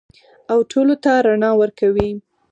او ټولو ته رڼا ورکوي.